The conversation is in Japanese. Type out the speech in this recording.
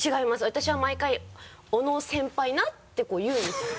私は毎回「小野先輩な」って言うんですよ。